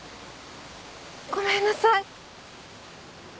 ごめんなさい。